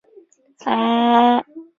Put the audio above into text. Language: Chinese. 福建罗源人。